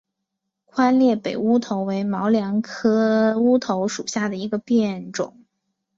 宽裂北乌头为毛茛科乌头属下的一个变种。